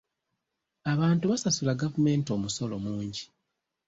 Abantu basasula gavumenti omusolo mungi.